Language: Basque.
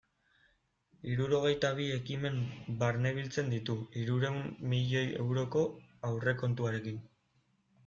Hirurogeita bi ekimen barnebiltzen ditu, hirurehun milioi euroko aurrekontuarekin.